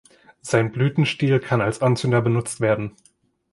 Sein Blütenstiel kann als Anzünder benutzt werden.